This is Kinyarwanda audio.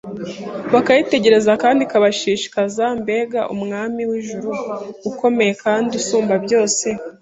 bakayitegereza kandi ikabashishikaza! Mbega Umwami w’ijuru ukomeye kandi usumba byose